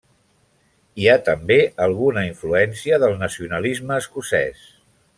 Hi ha també alguna influència del nacionalisme escocès.